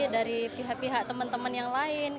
dari pihak pihak teman teman yang lain